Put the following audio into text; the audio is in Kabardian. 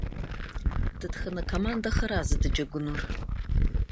Detxene komandexera zedecegunur?